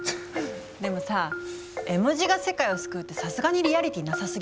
でもさ絵文字が世界を救うってさすがにリアリティーなさすぎでしょ。